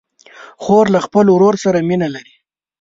خور له خپل ورور سره مینه لري.